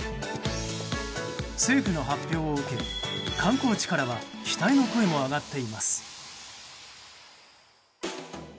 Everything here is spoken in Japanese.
政府の発表を受け観光地からは期待の声も上がっています。